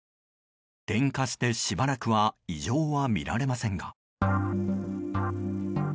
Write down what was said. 点火してしばらくは異常は見られませんが。